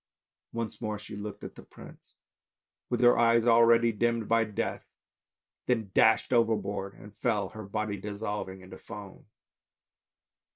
Once more she looked at the prince, with her eyes already dimmed by death, then dashed overboard and fell, her body dissolving into foam.